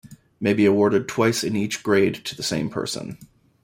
May be awarded twice in each grade to the same person.